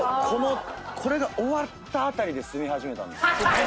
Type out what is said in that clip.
これが終わったあたりで住み始めたんです。